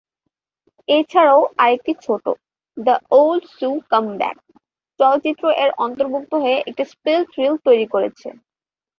এছাড়াও আরেকটি ছোট, "the old sue come back" চলচ্চিত্র এর অন্তর্ভুক্ত হয়ে একটি স্পিল্ট-রিল তৈরি করেছে।